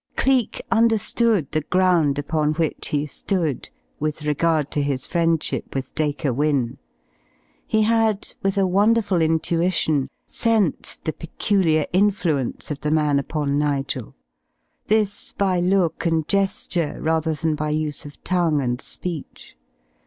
Cleek understood the ground upon which he stood with regard to his friendship with Dacre Wynne. He had, with a wonderful intuition, sensed the peculiar influence of the man upon Nigel this by look and gesture rather than by use of tongue and speech.